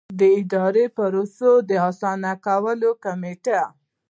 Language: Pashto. د اداري پروسو د اسانه کولو کمېټه.